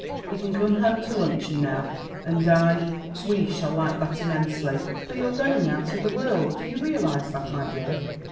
He can come home to luncheon now, and I we shall like that immensely." "But you're going out of the world; do you realise that, my dear?